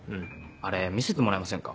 あれ見せてもらえませんか？